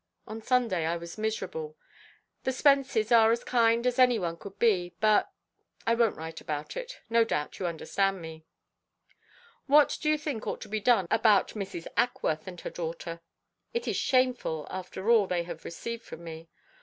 On Sunday I was miserable. The Spences are as kind as any one could be, but I won't write about it; no doubt you understand me. "What do you think ought to be done about Mrs. Ackworth and her daughter? It is shameful, after all they have received from me.